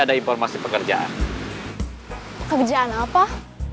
maaf informasinya hanya untuk pengangguran